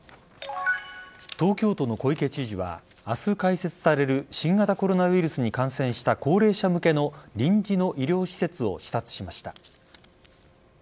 東京都の小池知事は明日開設される新型コロナウイルスに感染した高齢者向けの臨時の医療施設を視察しました。